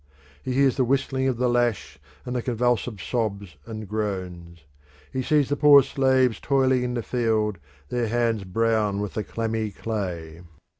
He hears the whistling of the lash and the convulsive sobs and groans. He sees the poor slaves toiling in the field, their hands brown with the clammy clay.